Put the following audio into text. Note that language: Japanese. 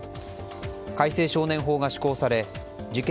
改正少年法が施行され事件